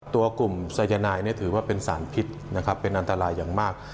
ตัวกลุ่มสายนายถือว่าเป็นสารพิษนะครับเป็นอันตรายอย่างมาก